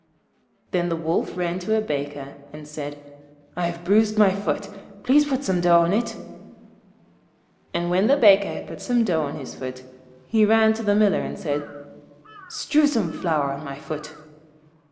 Then the Wolf ran to a Baker, and said, 'I have bruised my foot; please put some dough on it.' And when the Baker had put some dough on his foot, he ran to the Miller and said, 'Strew some flour on my foot.'